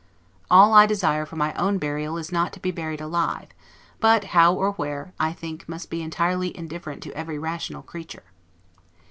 All I desire for my own burial is not to be buried alive; but how or where, I think must be entirely indifferent to every rational creature.